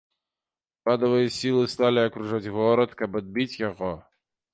Урадавыя сілы сталі акружаць горад, каб адбіць яго.